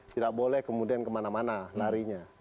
tidak boleh kemudian kemana mana larinya